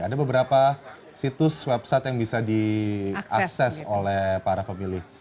ada beberapa situs website yang bisa diakses oleh para pemilih